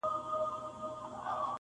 په هغه ګړي له لاري را ګوښه سول -